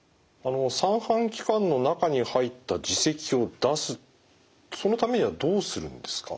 三半規管の中に入った耳石を出すそのためにはどうするんですか？